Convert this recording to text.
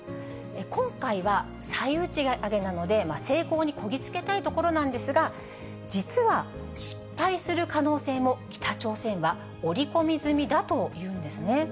今回は再打ち上げなので、成功にこぎ着けたいところなんですが、実は失敗する可能性も北朝鮮は織り込み済みだというんですね。